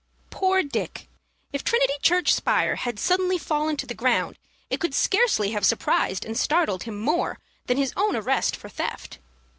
Poor Dick! If Trinity Church spire had suddenly fallen to the ground, it could scarcely have surprised and startled him more than his own arrest for theft.